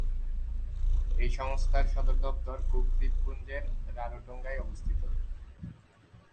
এই সংস্থার সদর দপ্তর কুক দ্বীপপুঞ্জের রারোটোঙ্গায় অবস্থিত।